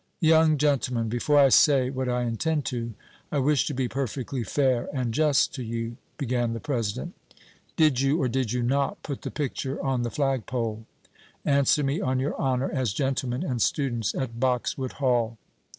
"Young gentlemen, before I say what I intend to, I wish to be perfectly fair and just to you," began the president. "Did you, or did you not put the picture on the flagpole. Answer me on your honor as gentlemen and students at Boxwood Hall."